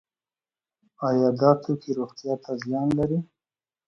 آیا دا توکي روغتیا ته زیان لري؟